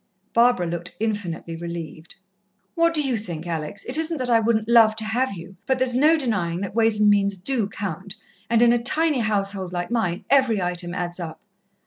Barbara looked infinitely relieved. "What do you think, Alex? It isn't that I wouldn't love to have you but there's no denying that ways and means do count, and in a tiny household like mine, every item adds up."